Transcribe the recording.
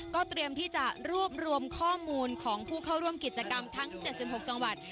เตรียมที่จะรวบรวมข้อมูลของผู้เข้าร่วมกิจกรรมทั้ง๗๖จังหวัด